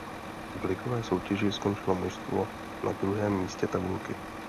V ligové soutěži skončilo mužstvo na druhém místě tabulky.